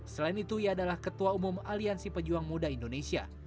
selain itu ia adalah ketua umum aliansi pejuang muda indonesia